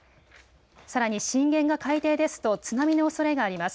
さらに震源が海底ですと津波のおそれがあります。